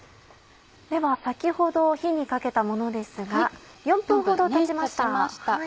では先ほど火にかけたものですが４分ほどたちました。